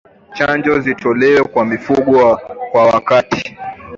Chanjo zitolewe kwa mifugo kwa wakati